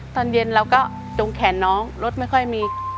ตอนเย็นเราก็ตรงแขนน้องรถไม่ค่อยมี